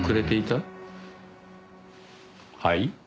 はい？